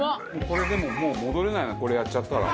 これでももう戻れないなこれやっちゃったら。